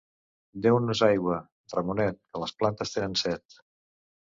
Deu-nos aigua, Ramonet, que les plantes tenen set.